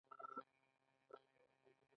هربرت هوور یو میخانیکي انجینر و.